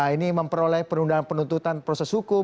ini memperoleh penundaan penuntutan proses hukum